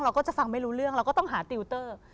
เราก็จะฟังไม่รู้เรื่องเราก็ต้องหาติวเตอร์